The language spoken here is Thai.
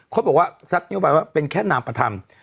เขาบอกว่าซัดนโยบายว่าเป็นแค่นามประธรรม